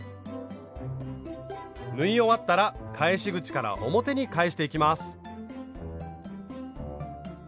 縫い終わったら返し口から表に返していきます。